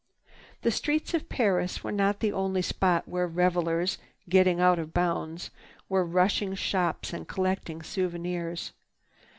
The Streets of Paris was not the only spot where revelers, getting out of bounds, were rushing shops and collecting souvenirs.